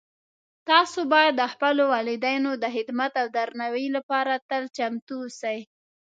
تاسو باید د خپلو والدینو د خدمت او درناوۍ لپاره تل چمتو اوسئ